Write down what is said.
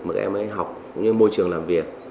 mà các em ấy học cũng như môi trường làm việc